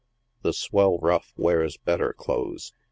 The swell rough wears better clothes.